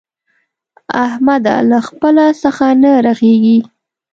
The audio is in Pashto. احمده! له خپله څخه نه رغېږي.